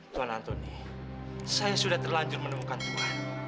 tuan antoni saya sudah terlanjur menemukan tuhan